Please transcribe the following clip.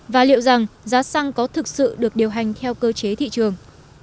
và liệu rằng giá xăng có thực sự được điều hành theo cơ chế thị trường